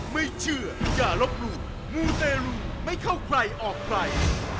ไม่เชื่ออย่าลบหลู่มูเตรลูไม่เข้าใครออกใคร